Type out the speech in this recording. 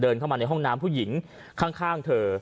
เข้ามาในห้องน้ำผู้หญิงข้างเธอ